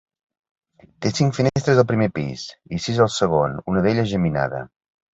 Té cinc finestres al primer pis i sis al segon una d'elles geminada.